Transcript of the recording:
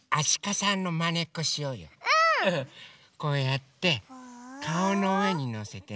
こうやってかおのうえにのせてね。